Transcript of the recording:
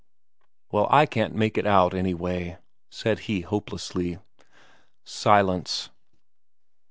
"Well, I can't make it out, anyway," said he hopelessly. Silence.